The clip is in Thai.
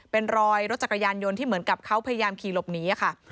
เป็นรอยรถจักรยานยนต์ที่เหมือนกับเขาพยายามขี่หลบหนีค่ะ